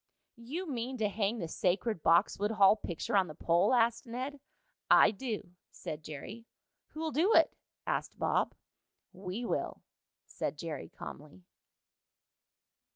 "You mean to hang the sacred Boxwood Hall picture on the pole?" asked Ned. "I do," said Jerry. "Who'll do it?" asked Bob. "We will," said Jerry, calmly.